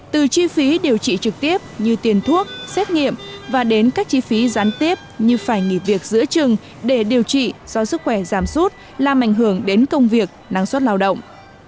từ chi phí điều trị trực tiếp như tiền thuốc xét nghiệm và đến các chi phí gián tiếp như phải nghỉ việc giữa trường để điều trị do sức khỏe giảm sút làm ảnh hưởng đến công việc năng suất lao động